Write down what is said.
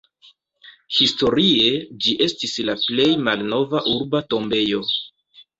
Historie ĝi estis la plej malnova urba tombejo.